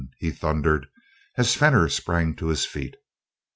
he thundered as Fenor sprang to his feet.